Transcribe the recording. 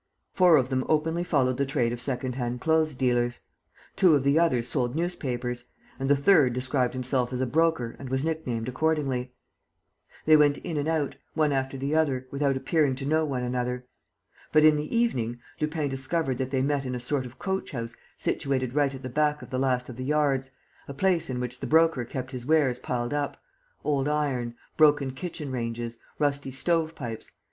Four of them openly followed the trade of second hand clothes dealers. Two of the others sold newspapers; and the third described himself as a broker and was nicknamed accordingly. They went in and out, one after the other, without appearing to know one another. But, in the evening, Lupin discovered that they met in a sort of coach house situated right at the back of the last of the yards, a place in which the Broker kept his wares piled up: old iron, broken kitchen ranges, rusty stove pipes